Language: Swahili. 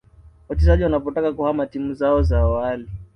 wachezaji wanapotaka kuhama timu zao za awali